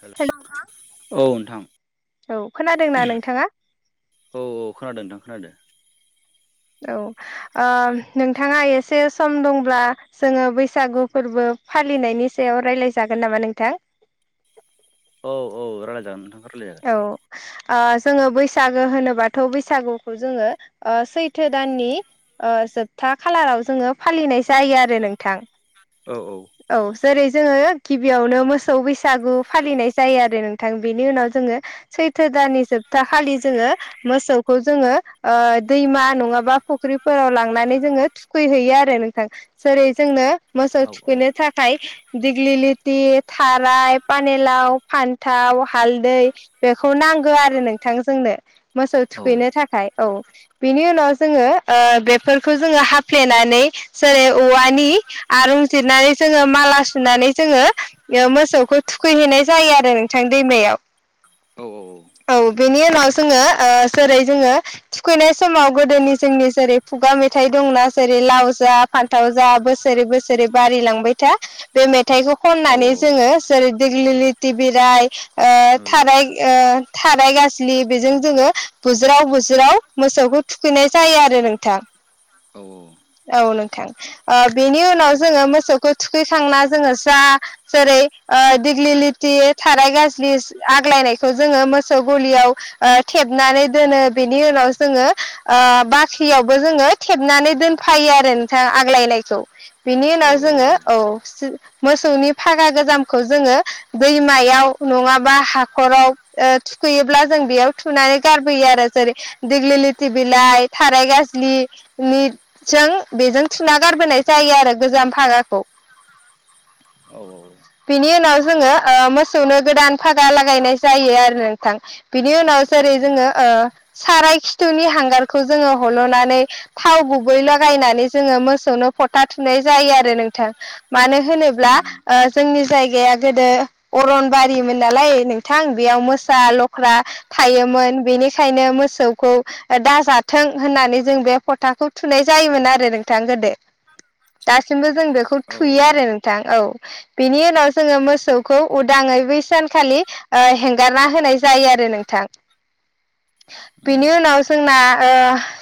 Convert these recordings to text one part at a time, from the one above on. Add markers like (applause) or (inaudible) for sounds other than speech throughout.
हेल' औ नोंथां औ खोनादोंना नोंथाङा औ औ खोनादों नोंथां खोनादों औ नोंथाङा एसे सम दंब्ला जोङो बैसागु फोरबो फालिनायनि सायाव रायलाय जागोन नामा नोंथां औ औ रायजायजागोन नोंथां रायलायजागोन औ जोङो बैसागो होनोबाथ' बैसागुखौ जोङो सैथो दाननि जोबथा खालाराव जोङो फालिनाय जायो आरो नोंथां औ औ औ जेरै जोङो गिबियावनो मोसौ बैसागु फालिनाय जायो आरो नोंथां बेनि उनाव जोङो सैत्रो दाननि जोबथा खालि जोङो मोसौखौ जोङो ओ दैमा नङा मा बा फुख्रिफोराव लांनानै जोङो थुखै हैैयो आरो नोंथां जेरै जोंनो मोसौ औ थुखैनो थाखाय दिग्लि लिति थाराय पानेलाव फान्थाव हालदै बेखौ नांगो आरो नोंथां जोंनो मोसौ औ थुखैनो थाखाय औ बिनि उनाव जोङो आ बेफोरखौ जोङो हाफ्लेनानै जेरै औवानि आरुं जिरनानै जोङो माला सुनानै जोङो ओ मोसौखौ थुखैहैनाय जायो आरो नोंथां दैमायाव औ औ बेनि उनाव जोङो आ जेरै जोङो थुखैनाय समाव गोदोनि जोंनि जेरै खुगा मेथाइ दंना जेरै लाव जा फान्थाव जा बोसोरै बोसोरै बारिलांबाय था बे मेथाइखौ खननानै जोङो जेरै दिग्लि लिति बिलाइ ओ थाराइग ओ थाराइ गाज्लि बेजों जोङो बुज्राव बुज्राव मोसौखौ थुखैनाय जायो आरो नोंथां औ औ औ औ नोंथां आ बेनि उनाव जोङो मोसौखौ थुखैखांना जोङो जा जेरै ओ दिग्लि लिति थाराइ गाज्लि आग्लायनायखौ जोङो मोसौ गलियाव आ थेबनानै दोनो बेनि उनाव जोङो आ बाख्रियावबो जो जोङो थेबनानै दोनफायो आरो नोंथां आग्लायनायखौ बिनि उनाव जोङो औ जो मोसौनि फागा गोजामखौ जोङो दैमायाव नङाबा हाखराव ओ थुखैयोब्ला जों बेयाव थुनानै गारबोयो आरो जेरै देग्लि लिति बिलाइ थाराइ गाज्लि निथजों बेजों थुना गारबोनाय जायो आरो गोजाम फागाखौ। औ औ बिनि उनाव जोङो ओ मोसौनो गोदान फागा लागायनाय जायो आरो नोंथां बिनि उनाव जेरै जोङो ओ साराय खिथुनि हां हांगारखौ जोङो हल'नानै थाव गुबै लागायनानै जोङो मोसौनो फथा थुनाय जायो आ आरो नोंथां मानो होनोब्ला ओ जोंनि जायगाया गोदो अरनबारिमोन नालाय नोंथां बेयाव मोसा लख्रा थायोमो मोन बेनिखायनो मोसौखौ दाजाथों होननानै जों बे फथाखौ थुनाय जायोमोन आ रो नोंथां गोदो दासिमबो जों बेखौ औ थुयो आरो नोंथां औ बिनि उनाव जोङो मोसौखौ उदाङै बै सानखालि आ हेंगारना होनाय जायो आरो नोंथां औ बेनि उनाव जोंना आ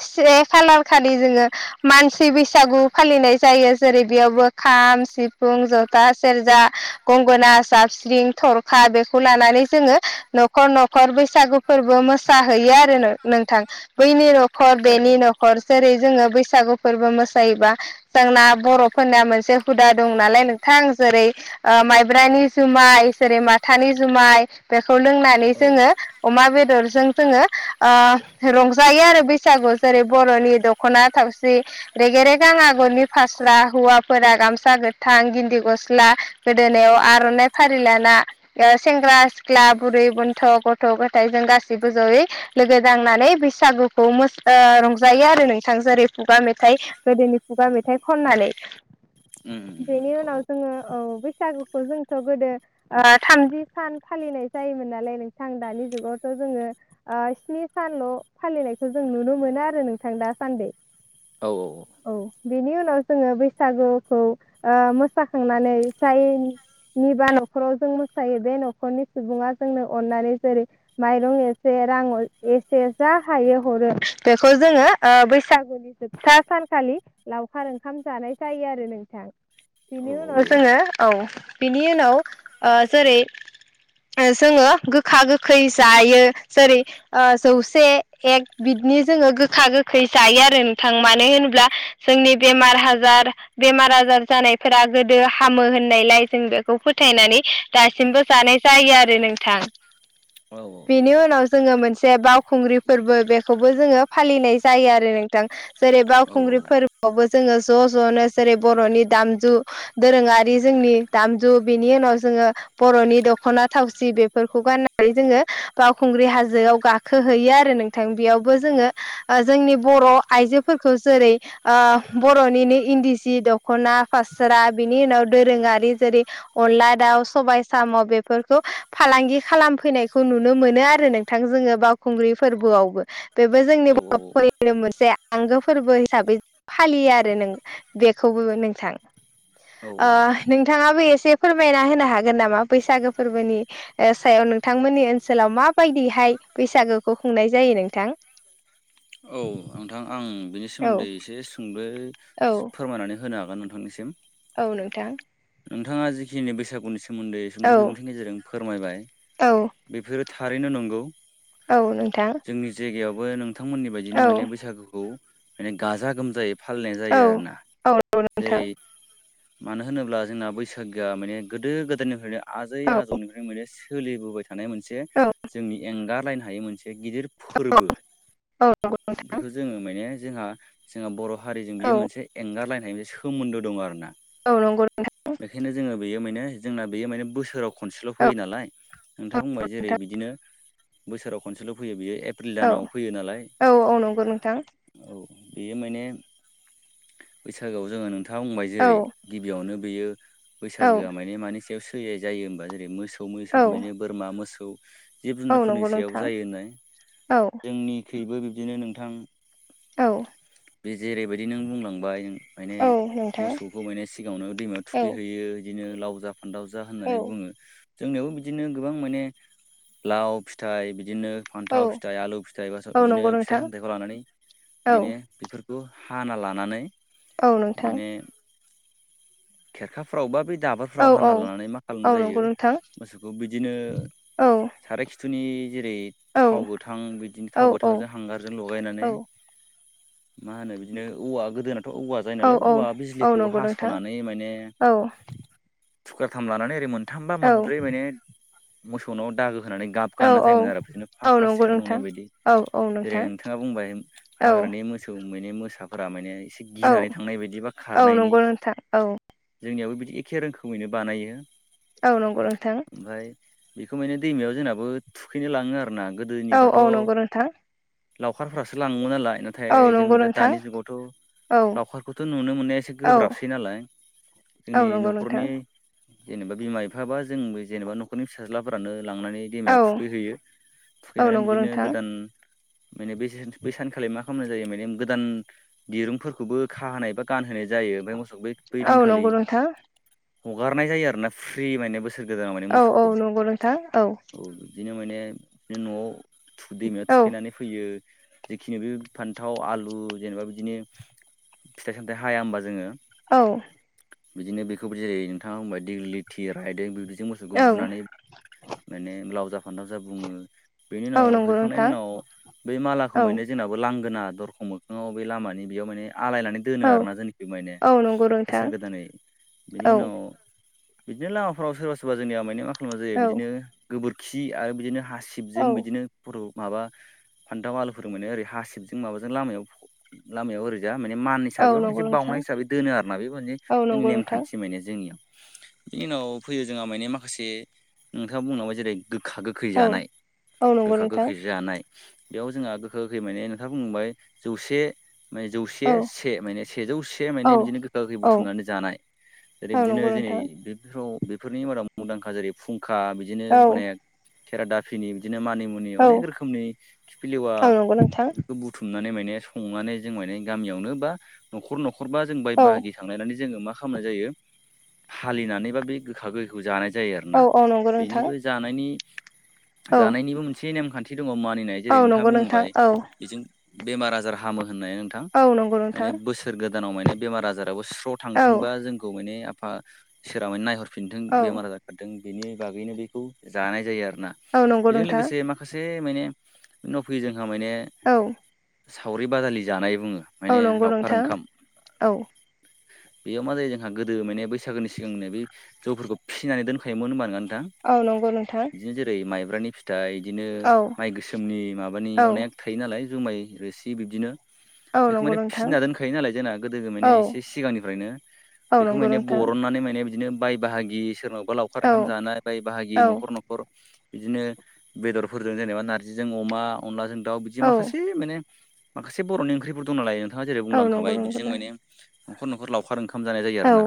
से खालार खालि जोङो मानसि बैसागु फालिनाय जायो जेरै बेयाव बो खाम सिफुं जथा सेरजा गंगोना साबस्रिं थरखा बेखौ लानानै जोङो न'खर न'खर बैसागु फोर्बो मोसाहैयो आरो नो नोंथां बैनि न'खर बेनि न'खर जेरै जोङो बैस सागु फोर्बो मोसायोबा जोंना बर'फोरना मोनसे हुदा दं नालाय नोंथां जेरै आ माइब्रानि जुमाय जेरै माथानि जुमाय बे खौ लोंनानै जोङो अमा बेदरजों जोङो आ रंजायो आरो बैसागु जेरै बर'नि दख'ना थावसि रेगे रेगां आग गरनि फास्रा हौवाफोरा गामसा गोथां गिनदि गस ख्ला गोदोनायाव आर'नाइ फारिलाना ओ सेंग्रा सिख्ला बुरै बन्थ' गथ' गथाय जों गासैबो जयै लोगो दांनानै बैसागु गुखौ मोस आ रंजायो आरो नोंथां जेरै खुगा मेथाइ गोदोनि खुगा मेथाइ खननानै उम बेनि औ उनाव औ जोङो औ बैसागुखौ जोंथ' गोदो आ थामजि सान फालिनाय जायोमोन नालाय नोंथां दानि जुगावथ' जोङो आ स्नि सानल' फालिनायखौ जों नुनो मोनो आरो नोंथां दा सान्दै। औ औ औ बिनि उनाव जोङो बैसागुखौ आ मोसाखांनानै जायनि निबा न'खराव जों मोसायो बे न'खरनि सुबुङा जोंनो अननानै जेरै माइरं एसे रां एसे जा हायो हरो बेखौ जोङो ओ बैसागुनि जोबथा सानखालि खालि लावखार ओंखाम जानाय जायो आरो नोंथां। बिनि उनाव जोङो औ बिनि उनाव ओ जेरै जोङो गोखा गोखै जायो जेरै ओ जौसे एक बिदि जोङो गोखा गोखै जायो आरो नोंथां मानो होनोब्ला जोंनि बेमार हाजार बे बेमार आजार जानायफोरा गोदो हामो होननायलाय जों बेखौ फोथायनानै दासिमबो जानाय जायो आरो नोंथां बेनि उनाव जोङो मोनसे बावखुंग्रि फोरबो बेखौबो जोङो फालिनाय जायो आरो नोंथां जेरै बावखुंग्रि फोरबोआवबो जोङो ज जनो जेरै बरनि दामजु दोरोङारि जोंनि दामजु बिनि उनाव जों जोङो बर'नि दखना थावसि बेफोरखौ गाननानै जोङो बावखुंग्रि हाजोआव गाखोहैयो आरो नोंथां बेयावबो जोङो ओ जोंनि बर' आइजो आजोफोरखौ जेरै ओ बर'निनो इन्दि सि दखना फास्रा बिनि उनाव दो दोरोङारि जेरै अनला दाउ सबाय साम बेफोरखौ फालांगि खालामफैनाय खौ नुनो मोनो आरो नोंथां जोङो बावखुंग्रि फोरबोआवबो बेबो जोंनि बर'फोरनो मोनसे आंगो फोरबो हिसाबै फालियो आरो नों बेखौबो नोंथां ओ नोंथाङाबो एसे से फोरमायना होनो हागोन नामा बैसागो फोरबोनि सायाव नोंथांमोननि ओनसोलाव माबायदिहाय बैसागोखौ खुंनाय जायो नोंथां बे औ सोमोन्दै एसे सुंदै औ फोरमायनानै होनो हागोन नोंथांनिसिम औ नोंथां नोंथाङा जिखिनि बैसागुनि सोमोन्दै सुंद' औ बिबुंथिनि गेजेरजों फोरमायबाय औ बेफोर थारैनो नंगौ औ नोंथां जोंनि जायगायावबो नोंथांमोननि बायदिनो औ माने बैसागुखौ माने गाजा गोमजायै फालिनाय औ जायो आरोना औ नोंथां जेरै मानो होनोब्ला जोंना बैसागोआ माने गोदो गोदायनिफ्राय आजै औ आजौनिफ्राय माने सोलिबोबाय थानाय मोनसे औ जोंनि एंगारलायनो हायै मोनसे गिदिर फोरबो औ बेखौ जोङो माने जोंहा जोंहा बर' हारिजों औ बियो मोनसे एंगारलायनाय मोनसे सोमोन्दो दं आरोना औ नंगौ नोंथां बेखायनो जोङो बेयो माने जोंना बेयो माने बोसोराव खनसेल' औ फैयो नालाय औ नोंथाङा बुंबाय जेरै नोंथां बिदिनो बोसोराव खनसेल' फैयो बियो औ औ औ नंगौ नोंथां औ बेयो माने बैसागोआव जोङो नोंथाङा बुंबाय औ जेरै गिबियावनो बेयो औ बैसागोआ मानि मानि सायाव सोनाय जायो होनबा जेरै मोसौ मोसा औ बिनो बोरमा मोसौ जिब औ जुनारफोरनि नंगौ सायाव नोंथां जायो होननाय औ जोंनिख्रुइबो बिब्दिनो नोंथां औ बे जेरैबायदि नों बुंलांबाय माने औ नोंथां मोसौखौ माने सिगाङावनो औ थुखैहैयो बिदिनो लाव जा फानदाव जा औ होननानै बुङो। जोंनियावबो बिदिनो गोबां माने लाव फिथाइ बि दिनो औ फान्थाव फिथाइ आलु फिथाइ एबा औ बिदिनो नंगौ फिथाइ नोंथां सामथाइखौ लानानै औ माने बेफोर खौ हाना लानानै औ नोंथां खेरखाफ्रावबा बे औ दाबोरफ्राव हानना औ लानानै मा औ खालामनाय जायो नंगौ नोंथां मोसौखौ बिदिनो औ साराय खिथुनि जेरै औ थाव गोथां बिदिनो औ थाव गोथांजों हांगारजों लगायनानै (inaudible) मा होनो बिदिनो औवा गोदोनाथ औवा जायो औ नालाय औवा औ बिजलिखौ नंगौ नोंथां हासनानै माने औ थुख्राथाम लानानै ओरै मोनथामबा औ मोनब्रै माने मोसौनाव दागो होनानै गाब औ गानना जायोमोन आरो बिदिनो औ नंगौ फाख्रा-सिख्रा नुनाय नोंथां बायदि। औ औ जेरै नोंथां नोंथाङा बुंबाय औ हाग्रानि मोसौ मैने मोसाफोरा मैने एसे औ गिनानै थांनाय बायदि बा औ खारनायनि। नंगौ नोंथां औ जोंनियाबो बिदि एखे रोखोमैनो बानायो औ नंगौ नोंथां। ओमफ्राय बेखौ माने दैमायाव जोंनाबो थुखैनो लाङो आ औ औ नंगौ नोंथां। लावखारफ्रासो लाङोमोन नालाय। औ नाथाय नंगौ जोंनि दा नोंथां दानि औ जुगावथ' लावखारखौथ' नुनो मोननाया एसे औ गोब्राबसै नालाय। औ जोंनि नंगौ न'खरनि नोंथां जेनेबा बिमा-बिफा बा जोंबो जेनेबा न'खरनि फिसाज्लाफोरानो लांनानै दैमायाव औ थुखैहैयो औ थुखैनानै नंगौ बिदिनो नोंथां गोदान मेने बे बै सानखालि मा खालामनाय जायो माने गोदान दिरुंफोरखौबो खाहोनाय बा गानहोनाय जा यो आमफाय मोसौ औ नोगौ नोंथां। हगारनाय जायो आरो ना फ्रि माने बो औ औ नंगौ नोंथां औ। माने बि न'आव थु दैमायाव औ थुखैनानै फैयो। जिखिनि बे फान्थाव आलु जेनेबा बिदिनो फिथाइ-सामथायाइ हाया होनबा जोङो। औ बिदिनो बेखौबिदि जायो नोंथाङा होमबाय दिल्ली थियार हायदो बे जों मोसौखौ औ बुनानै माने लावजा फानथाव जा बुङो। बेनि औ उनाव नंगौ हैखांनायनि नोंथां उनाव बे मालाखौ औ माने जोंनाबो लांगोना दरखं मोखाङाव बे लामानि बेयाव माने आलायनानै दोनो औ आरोना जोंनिखो मायने। औ नंगौ नोंथां बोसोर गोदानै बिनि औ उनाव बिदिनो लामाफोराव सोरबा सोरबा जोंनिया माने खुलुमना जायो औ बिदिनो गोबोरखि आरो बिदिनो हासिबजों औ बिदिनो फट' माबा फान्थाव आलुफोर मोनो ओरै हासिबजों माबाजों लामायाव लामायाव ओरैजा माने मान औ हिसाबै बा मोनसे नंगौ नोंथां बावनाय हिसाबै दोनो आरोना बे मोनसे औ जोंनि नंगौ नोंथां नेमखान्थि माने जोंनियाव। बिनि उनाव फैयो जोंहा माने माखासे नोंथाङा बुंलांबाय जेरै गोखा-गोखै औ जानाय औ नंगौ गोखा गोखै नोंथां जानाय। बेयाव जोंहा गोखा-गोखै माने नोंथाङा बुंबाय जौसे माने औ जौसे से माने सेजौसे माने औ बिदिनो गो खा-गोखै औ बुथुमनानै जानाय जेरै औ बिदिनो नंगौ जेरै नोंथां बेफोराव बेफोरनि माराव मुंदांखा जेरै फुं खा बिदिनो औ अनेक खेरादाफिनि दिनो मानि मुनि औ अनेक रोखोमनि खिफिलेवा औ नंगौ नोंथां बेफोरखौ बुथुमनानै माय ने संनानै जों मायने‌ गामियावनो बा नखर नखर बा जों औ बाय-बाहागि लायनानै जोङो मा खालामनाय जायो हालेनानै बा बे गोखा-गोखैखौ जानाय जायो औ आरोना औ नंगौ नोंथां बेनिबो औ जानायनिबो मोनसे नेमखान दि दङ मानिनाय जेरै औ नोंथाङा नंगौ नोंथां बुंबाय औ बेजों बेमार आजार हामो होननाय नोंथां। औ नंगौ नोंथां माने बोसोर गोदानाव माने बेमार आजाराबो स्र' औ थांथोंबा जोंखौ माने बा सोराङैनो नायहरफिनथों औ बेमार आजार खारथों बेनि बागैनो बेखौ जानाय जायो आरो। ना औ नंगौ बेजों नोंथां लोगोसे माखासे मायने उनाव फैयो जोंहा मायने। औ सावरि बादालि जानाय बुङो माने औ नंगौ लावखार ओंखाम। नोंथां औ बेयाव मा जायो जोंहा गोदो माने बैसागोनि सिगांनो बे जौफोरखौ फिसिनानै दोनखायोमोन होनबानो दा औ नंगौ नोंथां बिदिनो जेरै माइ। ब्रानि फिथाइ बिदिनो औ माइ गोसोमनि माबानि औ अनेक थायो नालाय जुमाय रोसि बिदिनो। औ बेखौ नंगौ माने नोंथां फिसिना दोनखायो नालाय जोंना गोदो औ माने से। सिगांनिफ्रायनो औ बेखौ नंगौ माने नोंथां बरननानै माने बिदिनो बाय बाहागि सोरनाव। बा लावखार औ ओंखाम जानाय बाय बाहागि औ न'खर न'खर। बिदिनो बेदरफोरजों जेनेबा नार्जिजों अमा अनलाजों दाउ बिदि औ माखासे माने। माखासे बर'नि ओंख्रिफोर दं नालाय नोंथाङा जेरै औ नंगौ बुंलांखाबाय नंगौ बिदिजों माने न'खर न'खर लावखार ओंखा। ओंखाम जानाय जायो औ आरोना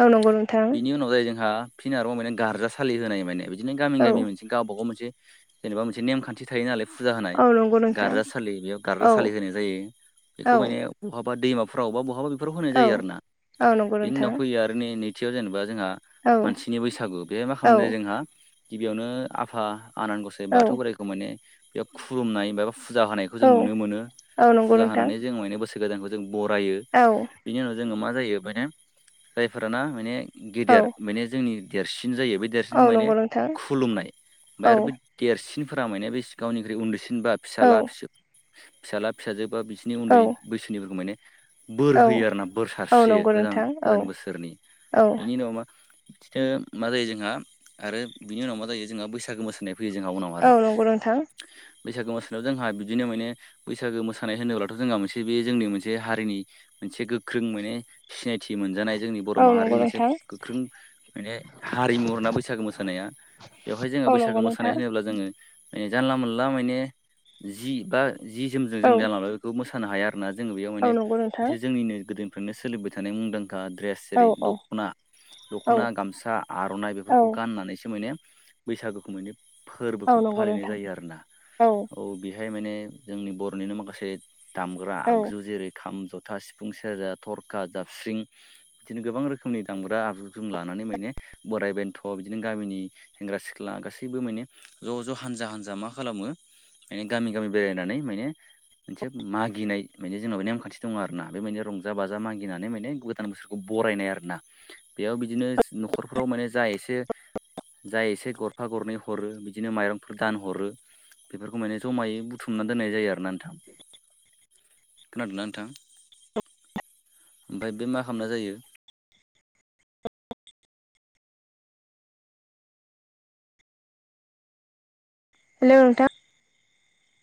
औ नंगौ नोंथां बिनि उनाव जायो जोंहा। फिन आरोबाव माने गारजासाालि होनाय माने बिदिनो गामि औ गामि मोनसे गावबा गाव मोनसे। जेनेबा मोनसे नेमखान्थि थायो नालाय। फुजा होनाय औ नंगौ नोंथां गारजा सालि बेयाव औ गारजा सालि होनाय जायो औ बेखौ माने बहाब। बा दैमाफ्रावबा बहाबा बेफोराव होनाय औ जायो आर ना औ नंगौ बेनि उनाव नोंथां फैयो आरो नै नैथियाव जेनेबा। जोंहा औ मानसिनि बैसागु बेहाय मा औ खालामनो जोंहा गिबियावनो आफा। आनान गसे औ बाथौ बोराइखौ माने बेयाव खुुरुमनाय। फुजा होनायखौ जों नुनो मोनो औ नंगौ फुजा नोंथां होनानै जों माने बोसोर गोदानखौ जों बरायो। औ नंगौ नोंथां औ जों मा जायो माने जायफोराना माने औ गेदेर माने जोंनि देरसिन। जायो बे औ देरसिनखौ माने खुलुमनाय मफ्राय आरो बे देरसिन। फोरा मानि बे गावनिख्रुइ उन्दैसिन बा फिसाला फिसाला फिसाजो। बा बिसोरनि उन्दै बैसोनिफोरखौ माने। होयो आरोना बोर औ सारस्रियो नंगौ गोदान नोंथां गोदान औ बोसोरनि औ बेनि उनाव मा। मा जायो जोंहा आरो बिनि उनाव मा जायो जोंहा बैसागो मोसानाय। फैयो जोंहा उनाव आरो औ नंगौ नंथां। बैसागो मोसानायाव जोंहा बिदिनो माने बैसागो मोसानाय होनोब्लाथ' जोंहा मोनसे बे जोंनि मोनसे हारिनि। मोनसे गोख्रों माने सिनायथि। थि मोनजानाय जोंनि बर' औ माहारिनि नंगौ मोनसे नोंथां गोख्रों माने हारिमु आरोना बैसागो मोसानाया। बेवहाय जोङो औ बैसागो नंगौ मोसानाय नोंथां होनोब्ला जोङो। माने जानला मोनला माने जि बा जि जोमजों औ जों जानला बेखौ मोसानो हाया। जोङो बेयाव औ नंगौ नोंथां मानेसे औ जोंनिनो गोदोनिफ्रायनो सोलिबाय थानाय मुंदांखा। ड्रेस जेरै दख'ना औ दख'ना गामसा आर'नाइ औ बेफोरखौ गाननानैसो माने। बैसागुखौ माने औ फोरबोखौ नंगौ फालिनाय नोंथां जायो आरो ना औ बे। बेहाय माने जोंनि बर'निनो माखासे दामग्रा औ आगजु जेरै खाम जथा। था सिफुं सेरजा थरखा जाबस्रिं बिदिनो गोबां रोखोमनि दामग्रा आबुजों लानानै माने। बोराइ बेन्थ' बिदिनो गामिनि सेंग्रा सिख्ला गासैबो माने ज' ज' हानजा हानजा मा खालामो। माने गामि गामि बेरायनानै माने मोनसे मागिनाय माने जोंनाव नेमखान्थि। दङ आर ना बेबायदिनो रंजा बाजा मागिनानै माने गोदान बोसोरखौ बरायनाय आरोना बेयाव बिदिनो। न'खरफ्राव माने जा एसे। जाय एसे गरफा गरनै हरो बिदिनो माइरंफोर दानहरो। बेफोरखौ माने जमायै बुथुमनानै दोननाय जायो आरोना नोंथां खोनादोंनाा नोंथां। ओमफ्राय बे मा खालामना जायो। हेले उलथा (unintelligible)